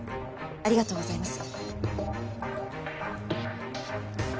ありがとうございます。